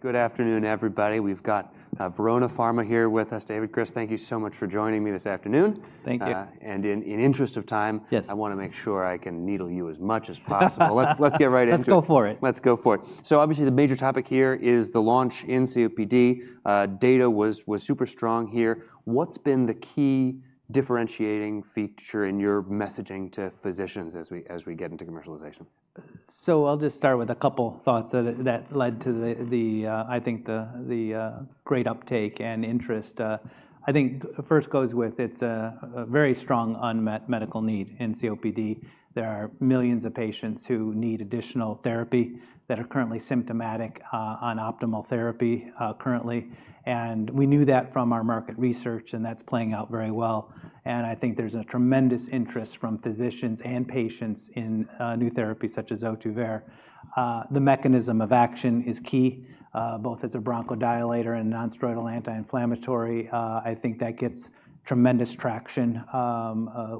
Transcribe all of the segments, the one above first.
Good afternoon, everybody. We've got Verona Pharma here with us. David, Chris, thank you so much for joining me this afternoon. Thank you. In interest of time, I want to make sure I can needle you as much as possible. Let's get right into it. Let's go for it. Let's go for it. So obviously, the major topic here is the launch in COPD. Data was super strong here. What's been the key differentiating feature in your messaging to physicians as we get into commercialization? I'll just start with a couple of thoughts that led to the, I think, the great uptake and interest. I think first goes with it's a very strong unmet medical need in COPD. There are millions of patients who need additional therapy that are currently symptomatic on optimal therapy currently. And we knew that from our market research, and that's playing out very well. And I think there's a tremendous interest from physicians and patients in new therapies such as Ohtuvayre. The mechanism of action is key, both as a bronchodilator and nonsteroidal anti-inflammatory. I think that gets tremendous traction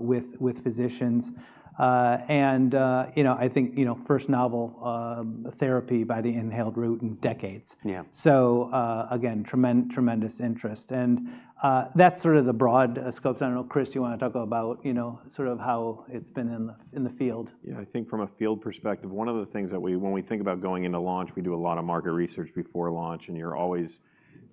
with physicians. And I think first novel therapy by the inhaled route in decades. So again, tremendous interest. And that's sort of the broad scope. So I don't know, Chris, you want to talk about sort of how it's been in the field? Yeah, I think from a field perspective, one of the things that when we think about going into launch, we do a lot of market research before launch. And you're always,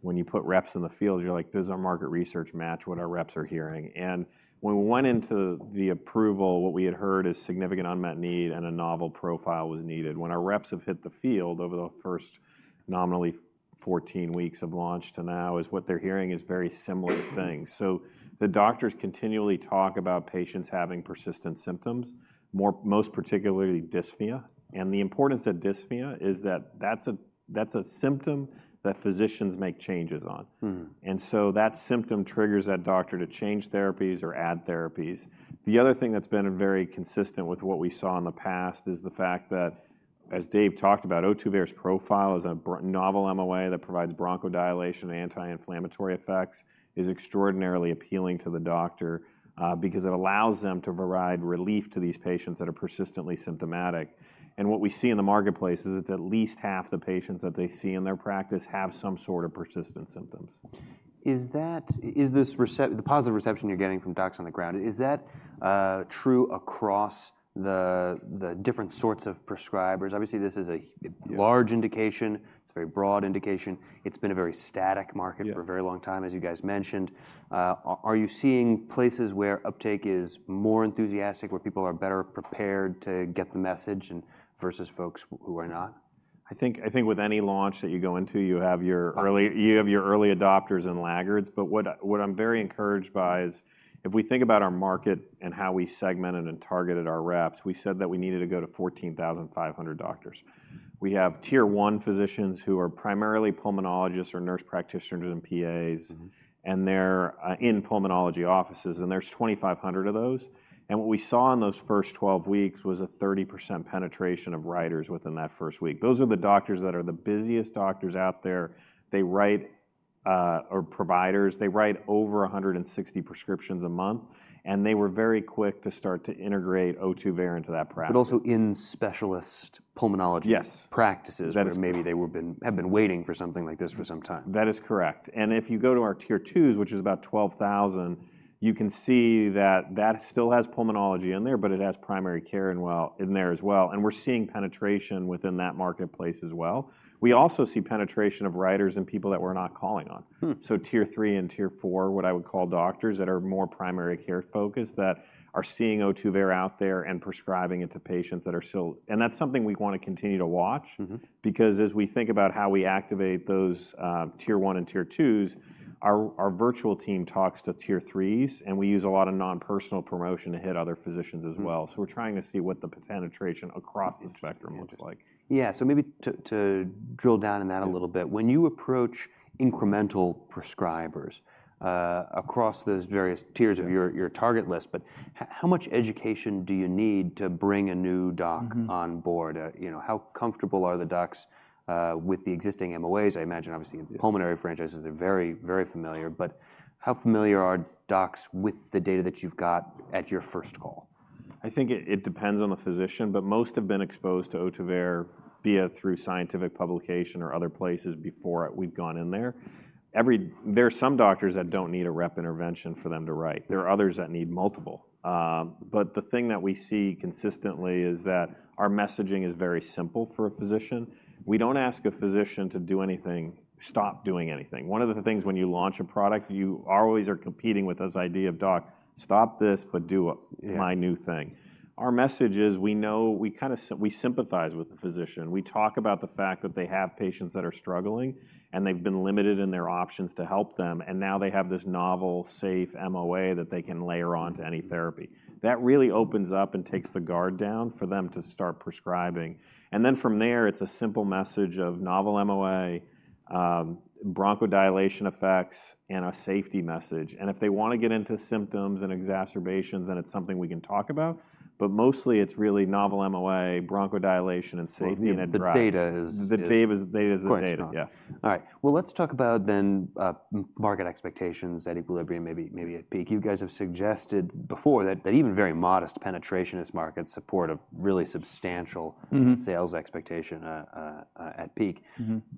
when you put reps in the field, you're like, does our market research match what our reps are hearing? And when we went into the approval, what we had heard is significant unmet need and a novel profile was needed. When our reps have hit the field over the first nominally 14 weeks of launch to now, is what they're hearing is very similar things. So the doctors continually talk about patients having persistent symptoms, most particularly dyspnea. And the importance of dyspnea is that that's a symptom that physicians make changes on. And so that symptom triggers that doctor to change therapies or add therapies. The other thing that's been very consistent with what we saw in the past is the fact that, as Dave talked about, Ohtuvayre's profile as a novel MOA that provides bronchodilation and anti-inflammatory effects is extraordinarily appealing to the doctor because it allows them to provide relief to these patients that are persistently symptomatic, and what we see in the marketplace is that at least half the patients that they see in their practice have some sort of persistent symptoms. Is this the positive reception you're getting from docs on the ground? Is that true across the different sorts of prescribers? Obviously, this is a large indication. It's a very broad indication. It's been a very static market for a very long time, as you guys mentioned. Are you seeing places where uptake is more enthusiastic, where people are better prepared to get the message versus folks who are not? I think with any launch that you go into, you have your early adopters and laggards, but what I'm very encouraged by is if we think about our market and how we segmented and targeted our reps, we said that we needed to go to 14,500 doctors. We have Tier 1 physicians who are primarily pulmonologists or nurse practitioners and PAs in pulmonology offices, and there's 2,500 of those, and what we saw in those first 12 weeks was a 30% penetration of writers within that first week. Those are the doctors that are the busiest doctors out there. They, writers or providers, write over 160 prescriptions a month, and they were very quick to start to integrate Ohtuvayre into that practice. But also in specialist pulmonology practices, where maybe they have been waiting for something like this for some time. That is correct. And if you go to our Tier 2s, which is about 12,000, you can see that that still has pulmonology in there, but it has primary care in there as well. And we're seeing penetration within that marketplace as well. We also see penetration of writers and people that we're not calling on. So Tier 3 and Tier 4, what I would call doctors that are more primary care focused that are seeing Ohtuvayre out there and prescribing it to patients that are still, and that's something we want to continue to watch because as we think about how we activate those Tier 1 and Tier 2, our virtual team talks to Tier 3s, and we use a lot of nonpersonal promotion to hit other physicians as well. So we're trying to see what the penetration across the spectrum looks like. Yeah, so maybe to drill down in that a little bit, when you approach incremental prescribers across those various tiers of your target list, but how much education do you need to bring a new doc on board? How comfortable are the docs with the existing MOAs? I imagine, obviously, pulmonary franchises are very, very familiar. But how familiar are docs with the data that you've got at your first call? I think it depends on the physician, but most have been exposed to Ohtuvayre via scientific publication or other places before we've gone in there. There are some doctors that don't need a rep intervention for them to write. There are others that need multiple, but the thing that we see consistently is that our messaging is very simple for a physician. We don't ask a physician to stop doing anything. One of the things when you launch a product, you always are competing with this idea of, doc, stop this, but do my new thing. Our message is we kind of sympathize with the physician. We talk about the fact that they have patients that are struggling, and they've been limited in their options to help them, and now they have this novel safe MOA that they can layer onto any therapy. That really opens up and takes the guard down for them to start prescribing. And then from there, it's a simple message of novel MOA, bronchodilation effects, and a safety message. And if they want to get into symptoms and exacerbations, then it's something we can talk about. But mostly, it's really novel MOA, bronchodilation, and safety in a DPI. The data is the data. The data is the data. Yeah. All right. Well, let's talk about the market expectations at equilibrium, maybe at peak. You guys have suggested before that even very modest penetration in this market support a really substantial sales expectation at peak.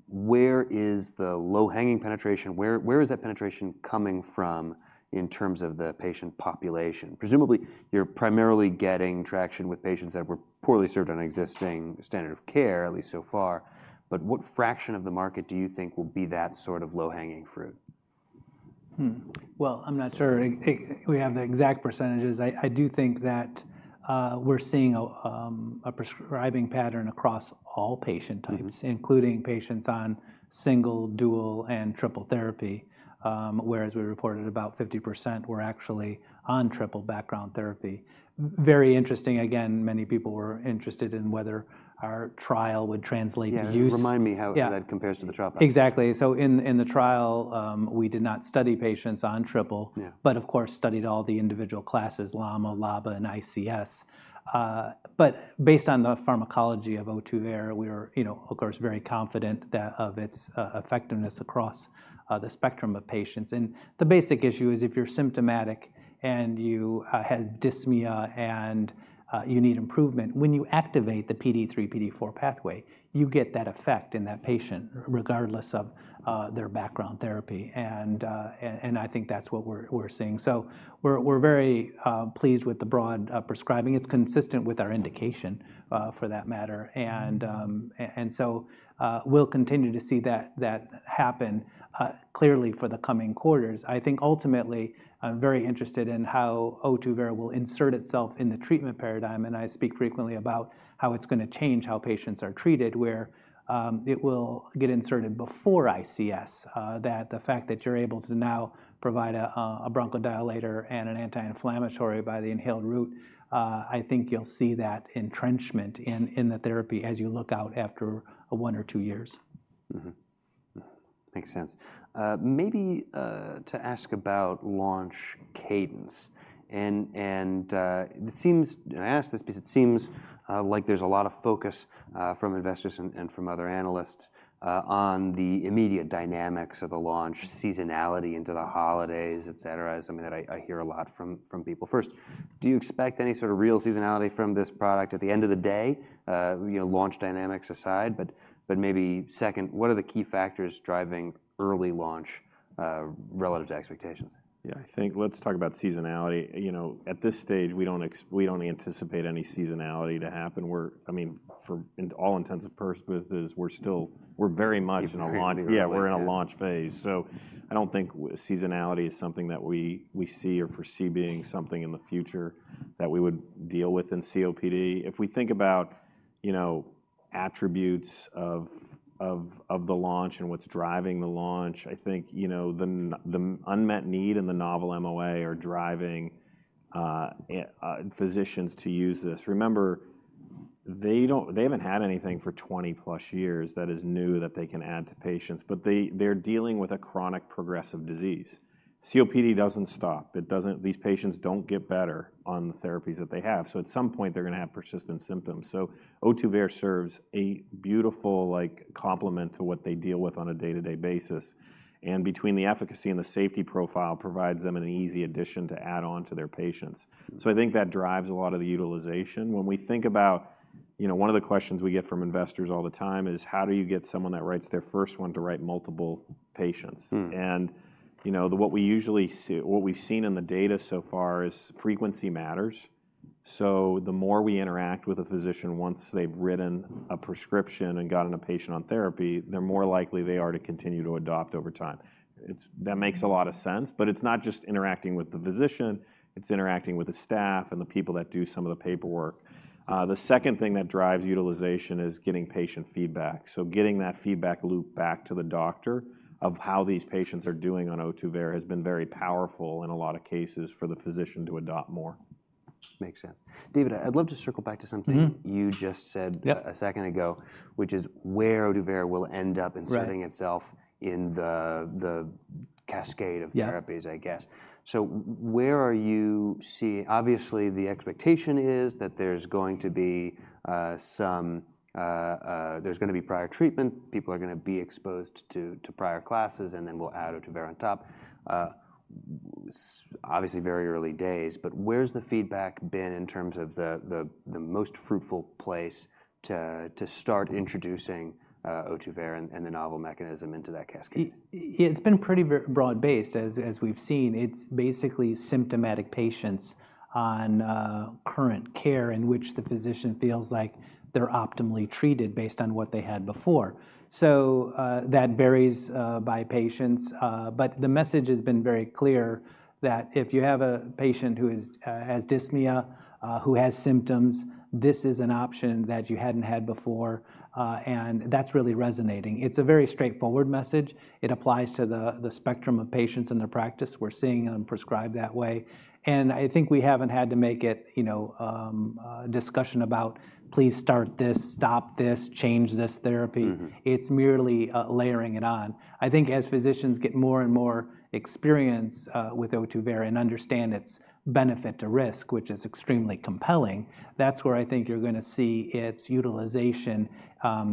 Where is the low-hanging penetration? Where is that penetration coming from in terms of the patient population? Presumably, you're primarily getting traction with patients that were poorly served on existing standard of care, at least so far. But what fraction of the market do you think will be that sort of low-hanging fruit? I'm not sure we have the exact percentages. I do think that we're seeing a prescribing pattern across all patient types, including patients on single, dual, and triple therapy, whereas we reported about 50% were actually on triple background therapy. Very interesting. Again, many people were interested in whether our trial would translate to use. Yeah, remind me how that compares to the trial? Exactly. So in the trial, we did not study patients on triple, but of course, studied all the individual classes, LAMA, LABA, and ICS. But based on the pharmacology of Ohtuvayre, we were, of course, very confident of its effectiveness across the spectrum of patients. And the basic issue is if you're symptomatic and you had dyspnea and you need improvement, when you activate the PDE3, PDE4 pathway, you get that effect in that patient regardless of their background therapy. And I think that's what we're seeing. So we're very pleased with the broad prescribing. It's consistent with our indication for that matter. And so we'll continue to see that happen clearly for the coming quarters. I think ultimately, I'm very interested in how Ohtuvayre will insert itself in the treatment paradigm. I speak frequently about how it's going to change how patients are treated, where it will get inserted before ICS. The fact that you're able to now provide a bronchodilator and an anti-inflammatory by the inhaled route, I think you'll see that entrenchment in the therapy as you look out after one or two years. Makes sense. Maybe to ask about launch cadence. And I asked this piece. It seems like there's a lot of focus from investors and from other analysts on the immediate dynamics of the launch, seasonality into the holidays, et cetera, something that I hear a lot from people. First, do you expect any sort of real seasonality from this product at the end of the day, launch dynamics aside? But maybe second, what are the key factors driving early launch relative to expectations? Yeah, I think let's talk about seasonality. At this stage, we don't anticipate any seasonality to happen. I mean, for all intents and purposes, we're very much in a launch phase. Yeah, we're in a launch phase. So I don't think seasonality is something that we see or foresee being something in the future that we would deal with in COPD. If we think about attributes of the launch and what's driving the launch, I think the unmet need and the novel MOA are driving physicians to use this. Remember, they haven't had anything for 20+ years that is new that they can add to patients, but they're dealing with a chronic progressive disease. COPD doesn't stop. These patients don't get better on the therapies that they have. So at some point, they're going to have persistent symptoms. So Ohtuvayre serves a beautiful complement to what they deal with on a day-to-day basis. And between the efficacy and the safety profile provides them an easy addition to add on to their patients. So I think that drives a lot of the utilization. When we think about one of the questions we get from investors all the time is, how do you get someone that writes their first one to write multiple patients? And what we've seen in the data so far is frequency matters. So the more we interact with a physician once they've written a prescription and gotten a patient on therapy, the more likely they are to continue to adopt over time. That makes a lot of sense. But it's not just interacting with the physician. It's interacting with the staff and the people that do some of the paperwork. The second thing that drives utilization is getting patient feedback. So getting that feedback loop back to the doctor of how these patients are doing on Ohtuvayre has been very powerful in a lot of cases for the physician to adopt more. Makes sense. David, I'd love to circle back to something you just said a second ago, which is where Ohtuvayre will end up inserting itself in the cascade of therapies, I guess. So where are you seeing? Obviously, the expectation is that there's going to be prior treatment. People are going to be exposed to prior classes, and then we'll add Ohtuvayre on top. Obviously, very early days. But where's the feedback been in terms of the most fruitful place to start introducing Ohtuvayre and the novel mechanism into that cascade? It's been pretty broad-based, as we've seen. It's basically symptomatic patients on current care in which the physician feels like they're optimally treated based on what they had before, so that varies by patients, but the message has been very clear that if you have a patient who has dyspnea, who has symptoms, this is an option that you hadn't had before, and that's really resonating. It's a very straightforward message. It applies to the spectrum of patients in the practice we're seeing them prescribe that way, and I think we haven't had to make it a discussion about, please start this, stop this, change this therapy. It's merely layering it on. I think as physicians get more and more experience with Ohtuvayre and understand its benefit to risk, which is extremely compelling, that's where I think you're going to see its utilization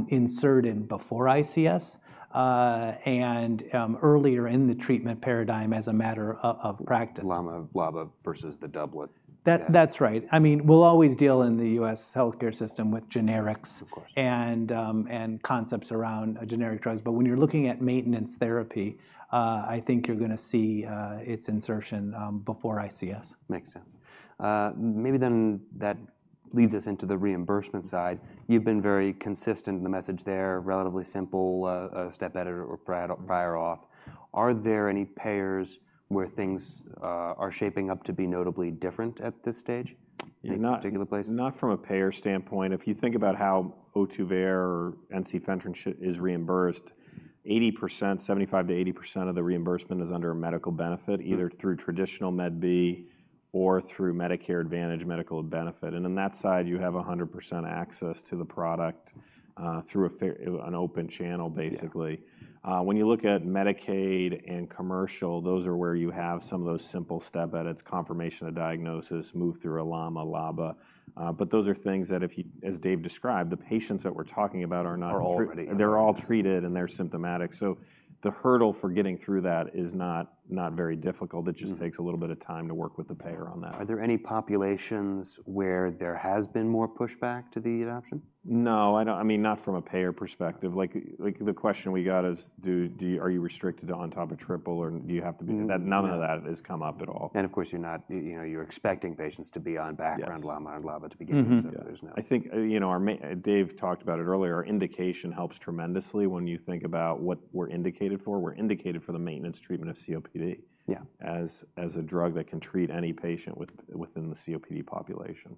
inserted before ICS and earlier in the treatment paradigm as a matter of practice. LAMA, LABA versus the doublet. That's right. I mean, we'll always deal in the U.S. healthcare system with generics and concepts around generic drugs. But when you're looking at maintenance therapy, I think you're going to see its insertion before ICS. Makes sense. Maybe then that leads us into the reimbursement side. You've been very consistent in the message there, relatively simple, a step edit or prior auth. Are there any payers where things are shaping up to be notably different at this stage in a particular place? Not from a payer standpoint. If you think about how Ohtuvayre or ensifentrine is reimbursed, 75%-80% of the reimbursement is under a medical benefit, either through traditional Medicare Part B or through Medicare Advantage medical benefit. And on that side, you have 100% access to the product through an open channel, basically. When you look at Medicaid and commercial, those are where you have some of those simple step edits, confirmation of diagnosis, move through a LAMA, LABA. But those are things that, as Dave described, the patients that we're talking about are not. Are already. They're all treated, and they're symptomatic. So the hurdle for getting through that is not very difficult. It just takes a little bit of time to work with the payer on that. Are there any populations where there has been more pushback to the adoption? No, I mean, not from a payer perspective. The question we got is, are you restricted to on top of triple, or do you have to be? None of that has come up at all. Of course, you're not expecting patients to be on background LAMA or LABA to begin with. I think Dave talked about it earlier. Our indication helps tremendously when you think about what we're indicated for. We're indicated for the maintenance treatment of COPD as a drug that can treat any patient within the COPD population.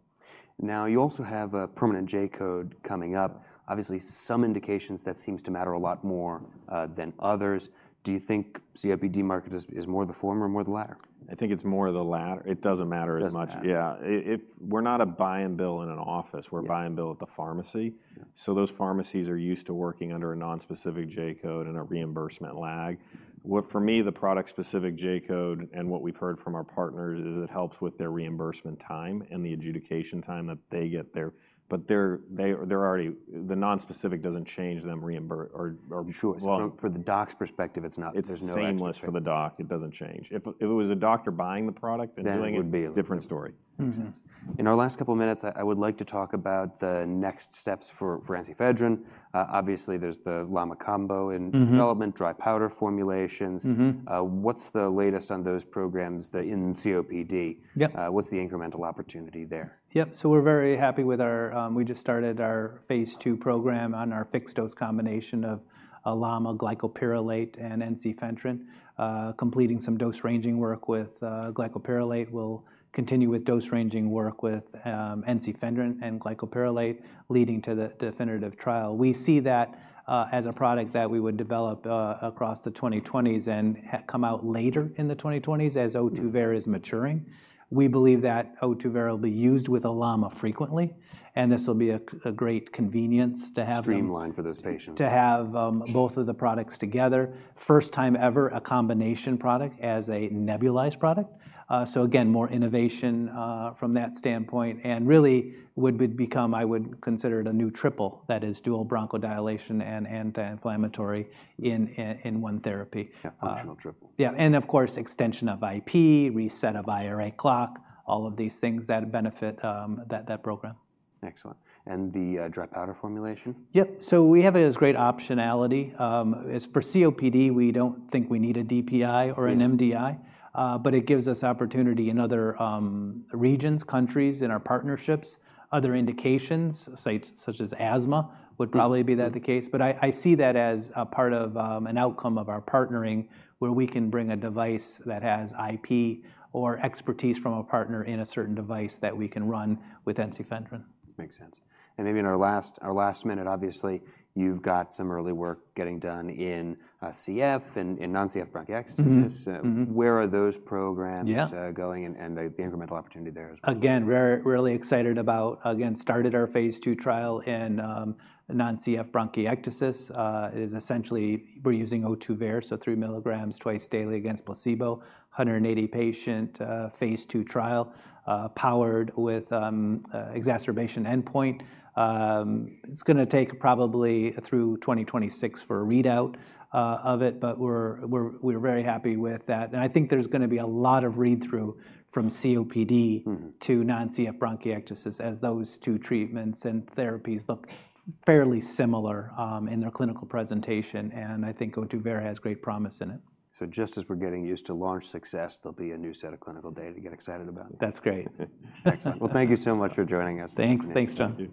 Now, you also have a permanent J-code coming up. Obviously, some indications that seem to matter a lot more than others. Do you think COPD market is more the former or more the latter? I think it's more the latter. It doesn't matter as much. Yeah, we're not a buy and bill in an office. We're a buy and bill at the pharmacy. So those pharmacies are used to working under a nonspecific J-code and a reimbursement lag. For me, the product-specific J-code and what we've heard from our partners is it helps with their reimbursement time and the adjudication time that they get there. But the nonspecific doesn't change them. For the doc's perspective, there's no edge. It's seamless for the doc. It doesn't change. If it was a doctor buying the product and doing it, different story. Makes sense. In our last couple of minutes, I would like to talk about the next steps for ensifentrine. Obviously, there's the LAMA combo in development, dry powder formulations. What's the latest on those programs in COPD? What's the incremental opportunity there? Yep. So we're very happy with how we just started our phase II program on our fixed-dose combination of LAMA, glycopyrrolate, and ensifentrine. Completing some dose ranging work with glycopyrrolate. We'll continue with dose ranging work with ensifentrine and glycopyrrolate leading to the definitive trial. We see that as a product that we would develop across the 2020s and come out later in the 2020s as Ohtuvayre is maturing. We believe that Ohtuvayre will be used with a LAMA frequently, and this will be a great convenience to have. Streamline for those patients. To have both of the products together. First time ever, a combination product as a nebulized product. Again, more innovation from that standpoint. Really, it would become. I would consider it a new triple that is dual bronchodilation and anti-inflammatory in one therapy. Functional triple. Yeah. And of course, extension of IP, reset of IRA clock, all of these things that benefit that program. Excellent. And the dry powder formulation? Yep. So we have this great optionality. For COPD, we don't think we need a DPI or an MDI. But it gives us opportunity in other regions, countries, in our partnerships. Other indications, sites such as asthma, would probably be that the case. But I see that as a part of an outcome of our partnering where we can bring a device that has IP or expertise from a partner in a certain device that we can run with ensifentrine. Makes sense. And maybe in our last minute, obviously, you've got some early work getting done in CF and non-CF bronchiectasis. Where are those programs going and the incremental opportunity there as well? Again, really excited about, again, started our phase II trial in non-CF bronchiectasis. It is essentially we're using Ohtuvayre, so 3 mg twice daily against placebo, 180-patient phase II trial powered with exacerbation endpoint. It's going to take probably through 2026 for a readout of it, but we're very happy with that, and I think there's going to be a lot of read-through from COPD to non-CF bronchiectasis as those two treatments and therapies look fairly similar in their clinical presentation, and I think Ohtuvayre has great promise in it. Just as we're getting used to launch success, there'll be a new set of clinical data to get excited about. That's great. Excellent. Well, thank you so much for joining us. Thanks, Jon.